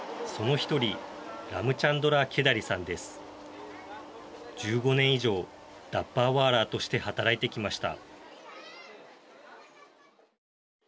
１５年以上ダッバーワーラーとして働いてきました。